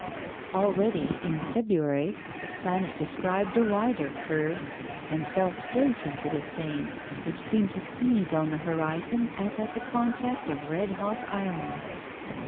Already, in February, the planet described a wider curve, and fell straight into the Seine, which seemed to seethe on the horizon as at the contact of red hot iron.